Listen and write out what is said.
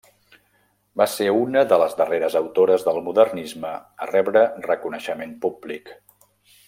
Va ser una de les darreres autores del modernisme a rebre reconeixement públic.